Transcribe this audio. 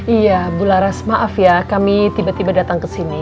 iya bu laras maaf ya kami tiba tiba datang ke sini